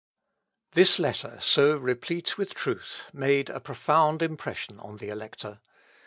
This letter, so replete with truth, made a profound impression on the Elector.